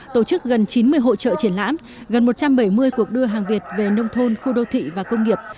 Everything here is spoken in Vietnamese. tổ chức gần chín mươi hộ trợ triển lãm gần một trăm bảy mươi cuộc đưa hàng việt về nông thôn khu đô thị và công nghiệp